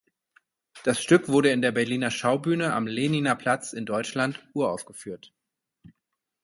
Das Stück wurde in der Berliner Schaubühne am Lehniner Platz in Deutschland uraufgeführt.